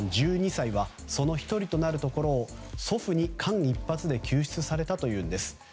１２歳はその１人となるところを祖父に間一髪で救出されたというんです。